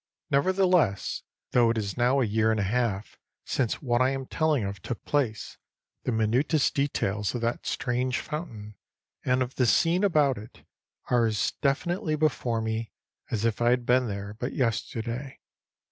Nevertheless, though it is now a year and a half since what I am telling of took place, the minutest details of that strange fountain, and of the scene about it, are as definitely before me as if I had been there but yesterday.